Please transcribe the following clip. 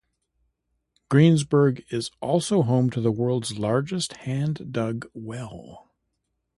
Greensburg is also home to the world's largest hand-dug well.